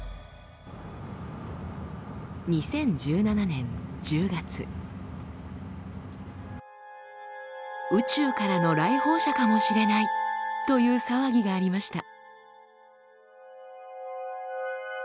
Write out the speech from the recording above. ２０１７年１０月宇宙からの来訪者かもしれないという騒ぎがありました。